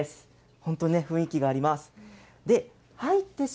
本当、雰囲気があります。